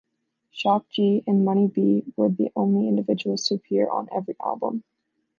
Shock G and Money-B were the only individuals to appear on every album.